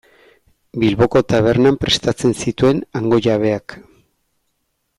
Bilboko tabernan prestatzen zituen hango jabeak.